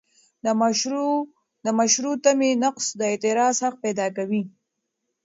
د مشروع تمې نقض د اعتراض حق پیدا کوي.